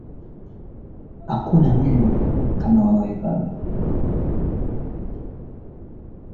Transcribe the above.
Watanzania ni watu wenye upendo sana